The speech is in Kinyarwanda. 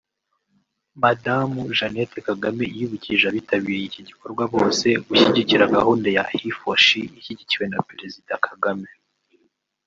Madamu Jeannette Kagame yibukije abitabiriye iki gikorwa bose gushyigikira gahunda ya HeForShe ishyigikiwe na Perezida Kagame